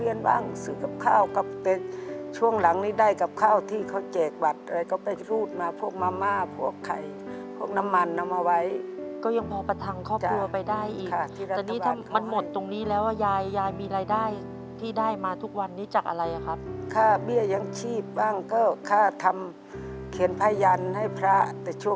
มีความรู้สึกว่ามีความรู้สึกว่ามีความรู้สึกว่ามีความรู้สึกว่ามีความรู้สึกว่ามีความรู้สึกว่ามีความรู้สึกว่ามีความรู้สึกว่ามีความรู้สึกว่ามีความรู้สึกว่ามีความรู้สึกว่ามีความรู้สึกว่ามีความรู้สึกว่ามีความรู้สึกว่ามีความรู้สึกว่ามีความรู้สึกว